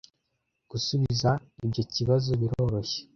Gusubiza ibyo kibazo biroroshye.